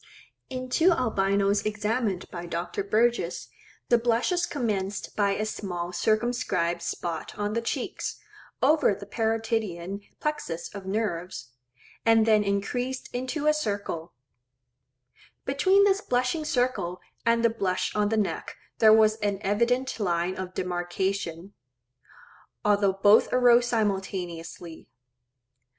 In two Albinos examined by Dr. Burgess, the blushes commenced by a small circumscribed spot on the cheeks, over the parotidean plexus of nerves, and then increased into a circle; between this blushing circle and the blush on the neck there was an evident line of demarcation; although both arose simultaneously.